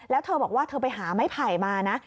แล้วเธอบอกว่าเธอไปหาไม้ไผ่มานะ